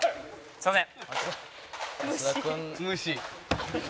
すいません。